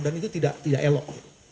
dan itu tidak elok